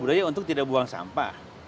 budaya untuk tidak buang sampah